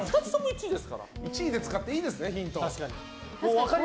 １位で使っていいですねヒント。